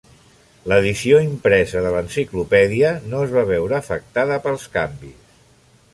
L'edició impresa de l'enciclopèdia no es va veure afectada pels canvis.